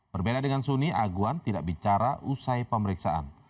berbeda dengan suni aguan tidak bicara usai pemeriksaan